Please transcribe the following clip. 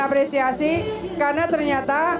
apresiasi karena ternyata